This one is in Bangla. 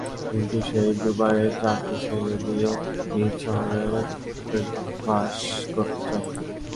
কিন্তু সে দুবাইয়ের চাকরি ছেড়ে দিয়ে নিজ শহরের বাস করতে চায়।